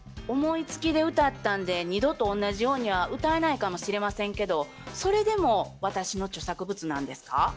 思いつきで歌ったんで二度とおんなじようには歌えないかもしれませんけどそれでも私の著作物なんですか？